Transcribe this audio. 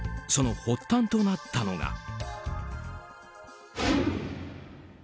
その発端となったのが。